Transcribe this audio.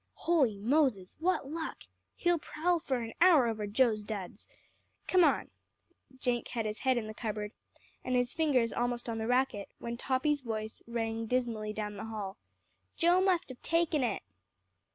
"Holy Moses, what luck! He'll prowl for an hour over Joe's duds. Come on." Jenk had his head in the cupboard, and his fingers almost on the racket, when Toppy's voice rang dismally down the hall: "Joe must have taken it."